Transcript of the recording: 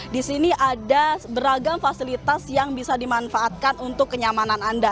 di sini ada beragam fasilitas yang bisa dimanfaatkan untuk kenyamanan anda